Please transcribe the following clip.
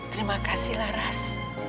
terima kasih laras